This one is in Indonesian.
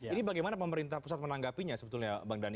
ini bagaimana pemerintah pusat menanggapinya sebetulnya bang dhani